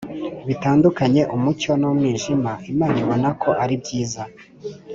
bitandukanye umucyo n’umwijima, Imana ibona ko ari byiza.